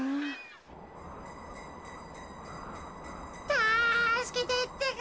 たすけてってか。